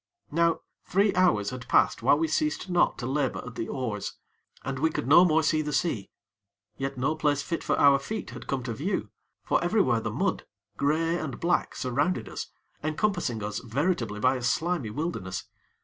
Now three hours had passed whilst we ceased not to labor at the oars, and we could no more see the sea; yet no place fit for our feet had come to view, for everywhere the mud, grey and black, surrounded us encompassing us veritably by a slimy wilderness.